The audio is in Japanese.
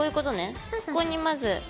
ここにまず。